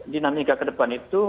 dinamika kedepan itu